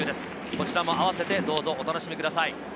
こちらもあわせてどうぞお楽しみください。